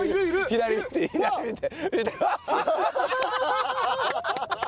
左見て左見て。